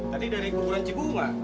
tadi dari kuburan cibu enggak